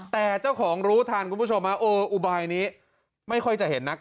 แต่เจ้าของรู้ทันคุณผู้ชมอุบายนี้ไม่ค่อยจะเห็นนัก